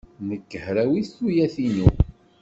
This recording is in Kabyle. Nekk hrawit tuyat-inu.